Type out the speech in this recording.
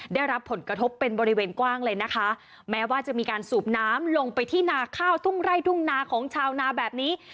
ได้รับผลกระทบเป็นบริเวณกว้างเลยนะคะแม้ว่าจะมีการสูบน้ำลงไปที่นาข้าวทุ่งไร่ทุ่งนาของชาวนาแบบนี้